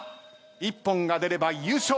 一本が出れば優勝。